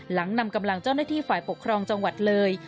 นำกำลังเจ้าหน้าที่ฝ่ายปกครองจังหวัดเลย